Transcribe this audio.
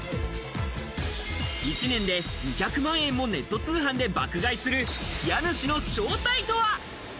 １年で２００万円もネット通販で爆買いする、家主の正体とは？